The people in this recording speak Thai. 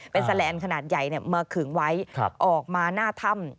เป็นแลนด์ขนาดใหญ่มาขึงไว้ออกมาหน้าถ้ำ